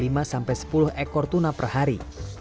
tuna dapat membawa lima sepuluh ekor tuna per hari